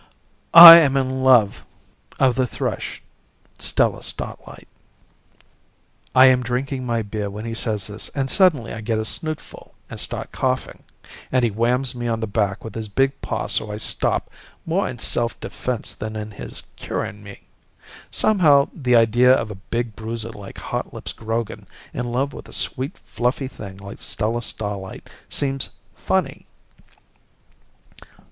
"I am in love of the thrush, Stella Starlight." I am drinking my beer when he says this, and suddenly I get a snootful and start coughing, and he whams me on the back with his big paw so I stop, more in self defense than in his curing me. Somehow, the idea of a big bruiser like Hotlips Grogan in love of a sweet fluffy thing like Stella Starlight seems funny.